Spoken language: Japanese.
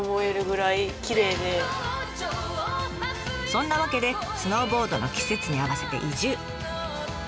そんなわけでスノーボードの季節に合わせて移住。